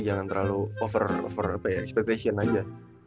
jangan terlalu over expecation aja